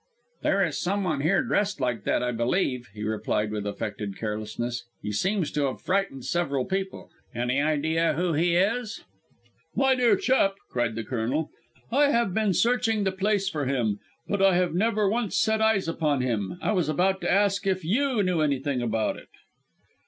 "There is someone here, dressed like that, I believe," he replied, with affected carelessness. "He seems to have frightened several people. Any idea who he is?" "My dear chap!" cried the Colonel, "I have been searching the place for him! But I have never once set eyes upon him. I was about to ask if you knew anything about it!"